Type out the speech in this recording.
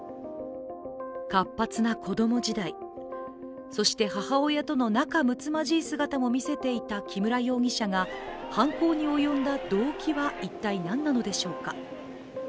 活発な子供時代、そして母親との仲むつまじい姿も見せていた木村容疑者が犯行に及んだ動機は一体何なのでしょうか。